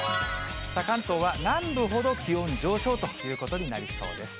関東は南部ほど気温上昇ということになりそうです。